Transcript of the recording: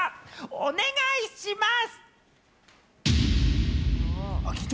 お願いします！